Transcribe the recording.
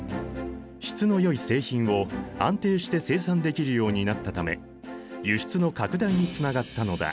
質のよい製品を安定して生産できるようになったため輸出の拡大につながったのだ。